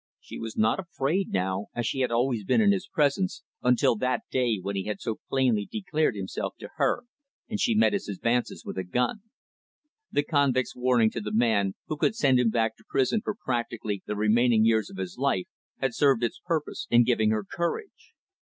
She was not afraid, now, as she had always been in his presence, until that day when he had so plainly declared himself to her and she met his advances with a gun. The convict's warning to the man who could send him back to prison for practically the remaining years of his life, had served its purpose in giving her courage.